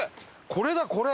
これだこれ！